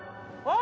あ！